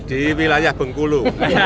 di wilayah bengkulu